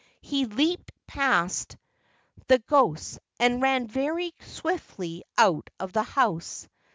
He leaped past the ghosts, and ran very swiftly out of the house.